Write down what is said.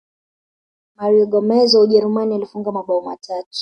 mario gomez wa ujerumani alifunga mabao matatu